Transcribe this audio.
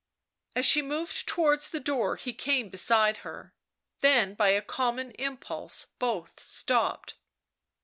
As she moved towards the door he came beside her. Then by a common impulse both stopped.